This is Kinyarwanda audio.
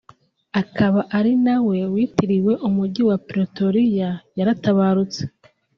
akaba ari nawe witiriwe umujyi wa Pretoria yaratabarutse